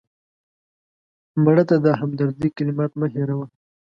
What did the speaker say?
مړه ته د همدردۍ کلمات مه هېروه